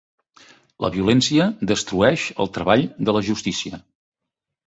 La violència destrueix el treball de la justícia.